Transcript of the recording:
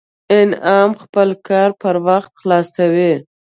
انعام خپل کار پر وخت خلاصوي